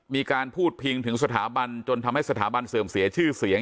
มีการพูดพิงถึงสถาบันจนทำให้สถาบันเสื่อมเสียชื่อเสียง